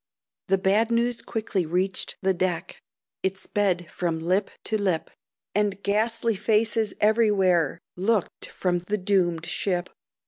The bad news quickly reached the deck, It sped from lip to lip, And ghastly Faces everywhere Looked from the doomed ship.